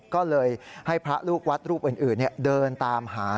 ก็เลยให้พระลูกวัดรูปอื่นเดินตามหา